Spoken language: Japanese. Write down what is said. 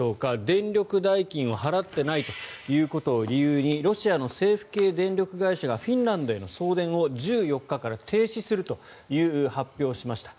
電力代金を払ってないということを理由にロシアの政府系電力会社がフィンランドへの送電を１４日から停止するという発表をしました。